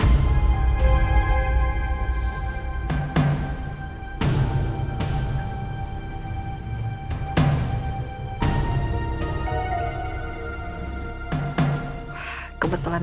gimana barangsa aku dah kayak fitur lu